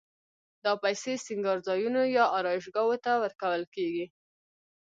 دا پیسې سینګارځایونو یا آرایشګاوو ته ورکول کېږي